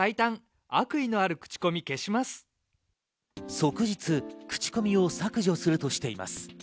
即日口コミを削除するとしています。